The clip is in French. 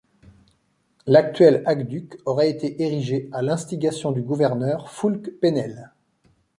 L'actuel aqueduc aurait été érigé à l'instigation du gouverneur Foulques Pesnel.